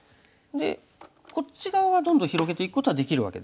でこっち側はどんどん広げていくことはできるわけですね。